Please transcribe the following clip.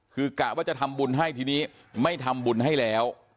คือกะว่าจะทำบุญให้ทีนี้ไม่ทำบุญให้แล้ว